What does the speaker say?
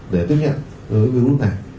để tiếp nhận với virus này